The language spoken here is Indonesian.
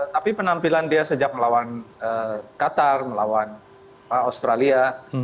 tapi penampilan dia sejak melawan qatar melawan australia